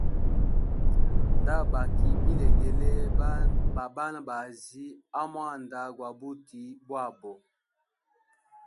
Nda baki bilegele ba banabazi a mwanda gwa buti bwabo.